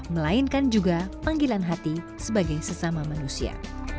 melainkan juga panggilan hati sebagai sesama manusia